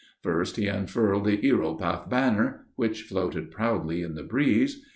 First he unfurled the Hiéropath banner, which floated proudly in the breeze.